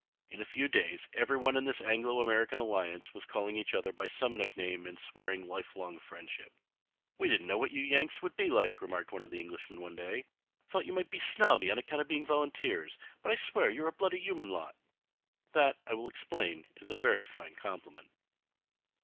In a few days every one in this Anglo American alliance was calling each other by some nickname and swearing lifelong friendship. "We didn't know what you Yanks would be like," remarked one of the Englishmen one day. "Thought you might be snobby on account of being volunteers, but I swear you're a bloody human lot." That, I will explain, is a very fine compliment.